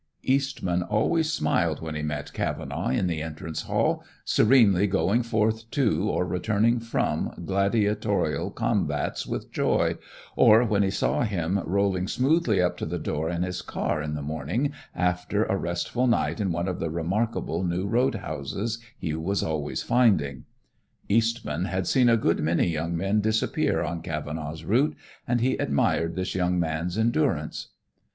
Eastman always smiled when he met Cavenaugh in the entrance hall, serenely going forth to or returning from gladiatorial combats with joy, or when he saw him rolling smoothly up to the door in his car in the morning after a restful night in one of the remarkable new roadhouses he was always finding. Eastman had seen a good many young men disappear on Cavenaugh's route, and he admired this young man's endurance.